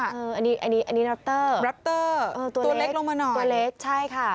อันนี้รัปเตอร์ตัวเล็กลงมานอนตัวเล็กใช่ค่ะ